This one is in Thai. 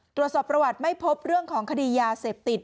ตรวจสอบประวัติไม่พบเรื่องของคดียาเสพติด